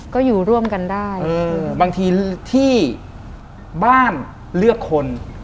ก็อยู่ร่วมกันได้เออบางทีที่บ้านเลือกคน